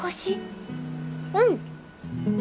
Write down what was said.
うん！